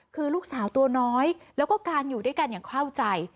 คือลูกสาวตัวน้อยแล้วก็การอยู่ด้วยกันอย่างเข้าใจ